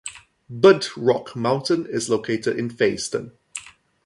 Burnt Rock Mountain is located in Fayston.